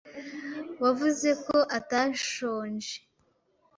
Wavuze ko atashonje.